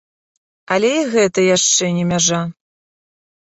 Але і гэта яшчэ не мяжа.